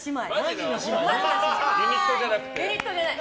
ユニットじゃなくて？